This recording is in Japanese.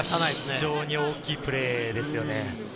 非常に大きいプレーですよね。